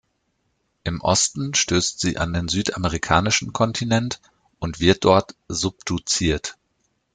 Im Osten stößt sie an den südamerikanischen Kontinent und wird dort subduziert.